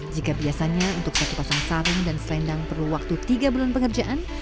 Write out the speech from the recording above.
jika biasanya untuk satu pasang sarung dan selendang perlu waktu tiga bulan pengerjaan